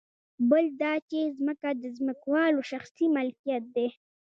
بل دا چې ځمکه د ځمکوالو شخصي ملکیت دی